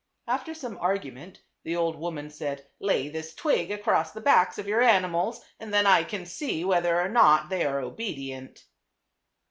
After some argument the old woman said, "Lay this twig across the backs of your ani mals and then I can see whether or not they are obedient."